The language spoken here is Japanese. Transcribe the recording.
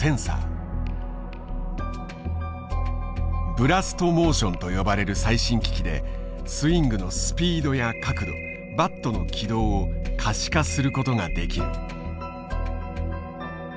ブラストモーションと呼ばれる最新機器でスイングのスピードや角度バットの軌道を可視化することができる。